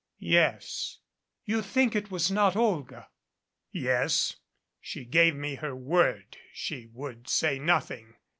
"Yes." "You think it was not Olga?" "Yes. She gave me her word she would say nothing.